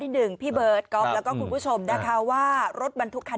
ที่หนึ่งพี่เบิร์ทก็แล้วก็คุณผู้ชมได้คะว่ารถมันทุกคัน